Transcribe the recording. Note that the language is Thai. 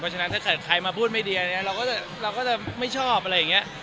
ฉะนั้นถ้าเกิดใครมาพูดไม่ดีเราก็จะไม่ชอบอะไรอย่างนี้